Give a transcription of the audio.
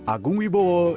agung wibowo jawa timur